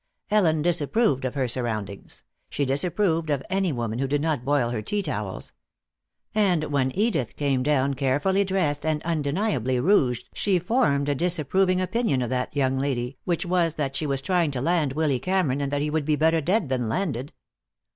Ellen disapproved of her surroundings; she disapproved of any woman who did not boil her tea towels. And when Edith came down carefully dressed and undeniably rouged she formed a disapproving opinion of that young lady, which was that she was trying to land Willy Cameron, and that he would be better dead than landed.